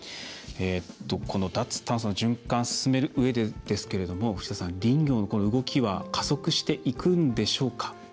この脱炭素の循環を進めるうえですけど林業の動きは加速していくんでしょうか？